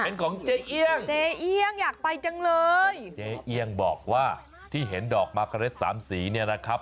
เป็นของเจ๊เอี่ยงเจเอี่ยงอยากไปจังเลยเจ๊เอียงบอกว่าที่เห็นดอกมาเกร็ดสามสีเนี่ยนะครับ